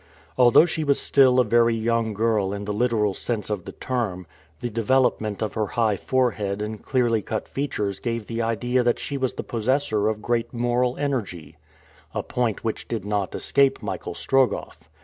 Although she was still a very young girl in the literal sense of the term, the development of her high forehead and clearly cut features gave the idea that she was the possessor of great moral energy a point which did not escape Michael Strogoff.